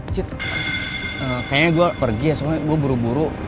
cit kayaknya gue pergi ya soalnya gue buru buru